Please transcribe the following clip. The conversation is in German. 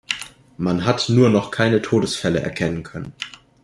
Man hat nur noch keine Todesfälle erkennen können.